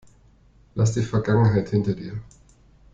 Lass die Vergangenheit hinter dir.